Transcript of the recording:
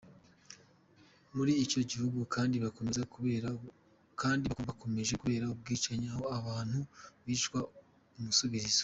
Muri icyo gihugu kandi hakomeje kubera ubwicanyi aho abantu bicwa umusubizo.